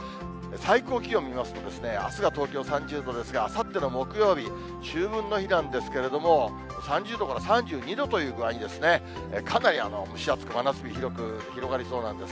最高気温見ますと、あすが東京３０度ですが、あさっての木曜日、秋分の日なんですけれども、３０度から３２度という具合に、かなり蒸し暑く、真夏日広く広がりそうなんです。